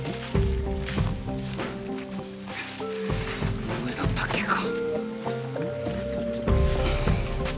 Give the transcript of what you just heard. この上だったっけか？